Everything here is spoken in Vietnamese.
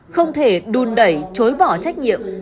không thể đùn đẩy chối bỏ trách nhiệm